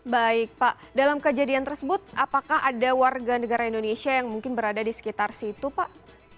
baik pak dalam kejadian tersebut apakah ada warga negara indonesia yang mungkin berada di sekitar situ pak